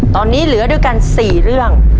ตอนนี้เหลือด้วยกัน๔เรื่อง